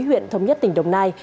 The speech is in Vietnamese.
huyện thống nhất tỉnh đồng nai